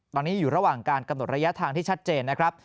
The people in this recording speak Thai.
ตอนนี้อยู่ระหว่างการกำหนดระยะทางที่ชัดเจนนะครับ